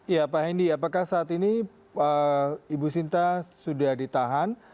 ya pak hendi apakah saat ini ibu sinta sudah ditahan